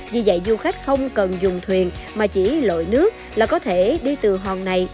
vì vậy du khách không cần dùng thuyền mà chỉ lội nước là có thể đi từ hòn này